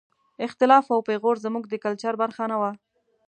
اختلاف او پېغور زموږ د کلچر برخه نه وه.